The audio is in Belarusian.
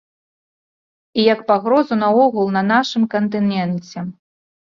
І як пагрозу наогул на нашым кантыненце!